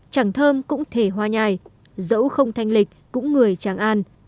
chẳng thơm cũng thể hoa nhài dẫu không thanh lịch cũng người chẳng an